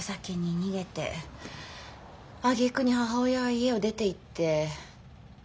あげくに母親は家を出ていって自暴自棄？